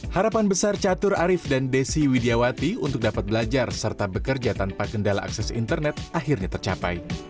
harapan besar catur arief dan desi widiawati untuk dapat belajar serta bekerja tanpa kendala akses internet akhirnya tercapai